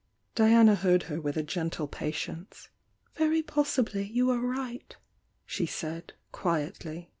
Diana heard her with a gentle pat' mce. ''Very possibly you are right," she said, quietly.